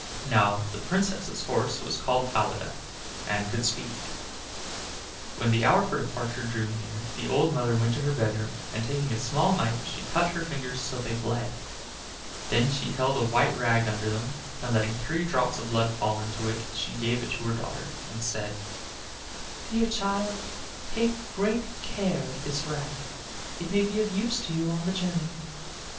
Now the Princess's horse was called Falada, and could speak. When the hour for departure drew near the old mother went to her bedroom, and taking a small knife she cut her fingers till they bled; then she held a white rag under them, and letting three drops of blood fall into it, she gave it to her daughter, and said: "Dear child, take great care of this rag: it may be of use to you on the journey."